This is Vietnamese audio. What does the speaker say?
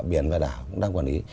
biển và đảo đang quản lý